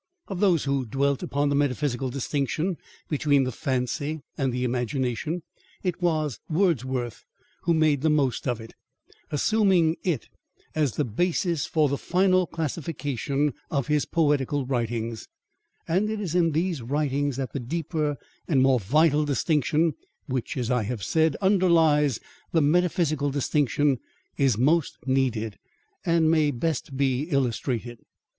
Of those who dwelt upon the metaphysical distinction between the Fancy and the Imagination, it was Wordsworth who made the most of it, assuming it as the basis for the final classification of his poetical writings; and it is in these writings that the deeper and more vital distinction, which, as I have said, underlies the metaphysical distinction, is most needed, and may best be illustrated.